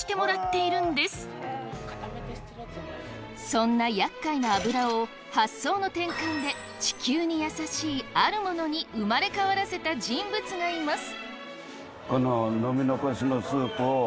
そんなやっかいな油を発想の転換で地球に優しいあるものに生まれ変わらせた人物がいます！